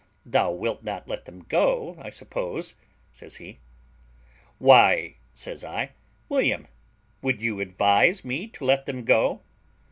Thou wilt not let them go, I suppose," says he. "Why," says I, "William, would you advise me to let them go?"